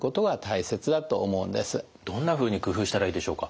どんなふうに工夫したらいいでしょうか？